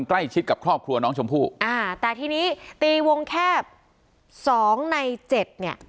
ใกล้ชิดกับครอบครัวน้องชมพู่อ่าแต่ทีนี้ตีวงแคบสองในเจ็ดเนี่ย